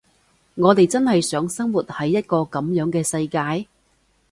我哋真係想生活喺一個噉樣嘅世界？